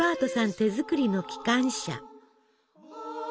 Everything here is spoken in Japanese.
手作りの機関車。